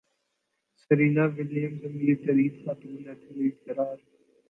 Serena Williams امیر ترین خاتون ایتھلیٹ قرار